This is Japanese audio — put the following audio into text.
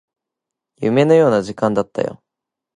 夢のような時間だったよ